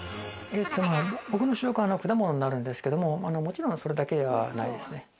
僕の主食は果物になるんですけどももちろんそれだけではないですね。